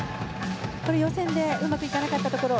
予選でうまくいかなかったところ。